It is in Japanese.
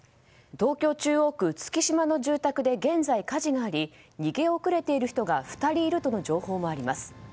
東京・中央区月島の住宅で現在、火事があり逃げ遅れている人が２人いるとの情報もあります。